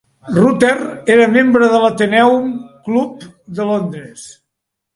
Rutter era membre de l'Athenaeum Club, de Londres.